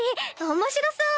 面白そう。